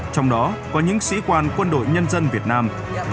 trong đó có những sĩ quan quân đội nhân dân việt nam